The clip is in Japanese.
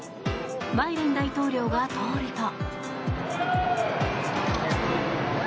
バイデン大統領が通ると。